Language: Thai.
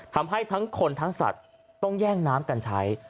ทำให้ทั้งคนทั้งสัตว์ต้องแย่งน้ำกันใช้